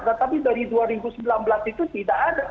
tetapi dari dua ribu sembilan belas itu tidak ada